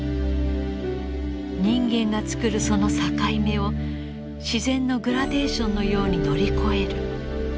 人間が作るその境目を自然のグラデーションのように乗り越える。